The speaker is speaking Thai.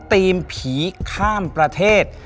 ทีมผีข้ามประเทศ